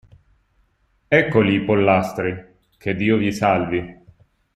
Eccoli i pollastri, che Dio vi salvi.